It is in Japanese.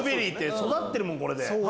育ってるもんこれで。